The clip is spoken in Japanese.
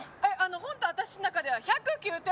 本当、私の中では１０９点。